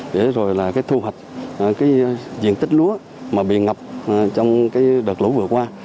để rồi là cái thu hoạch cái diện tích lúa mà bị ngập trong cái đợt lũ vừa qua